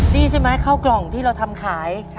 นี่ใช่ไหมเข้ากล่องที่เราทำขาย